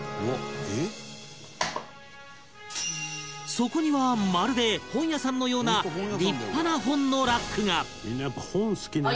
そこにはまるで本屋さんのような立派な本のラックが